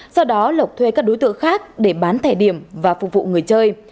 sau đó lộc thuê các đối tượng khác để bán thẻ điểm và phục vụ người chơi